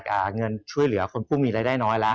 เงินช่วยเหลือคนผู้มีรายได้น้อยละ